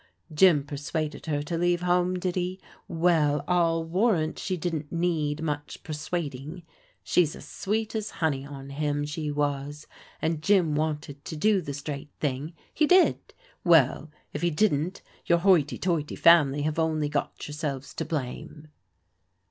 Jim persuaded her to leave home, did he ? Well, I'll warrant she didn't need much persuading. She was as sweet as honey on him, she was. And Jim wanted to do the straight thing, he did. Well, if he didn't, your hoity toity family have only got yourselves to blame."